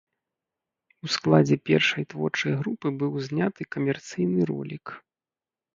У складзе першай творчай групы быў зняты камерцыйны ролік.